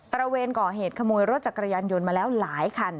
ระเวนก่อเหตุขโมยรถจักรยานยนต์มาแล้วหลายคัน